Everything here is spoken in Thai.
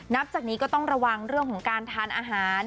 นับจากนี้ก็ต้องระวังเรื่องของการทานอาหาร